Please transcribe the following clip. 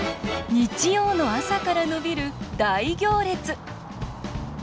日曜の朝から伸びる大行列。